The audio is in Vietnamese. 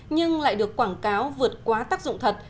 nhưng lại được quảng cáo vượt quá tác dụng thật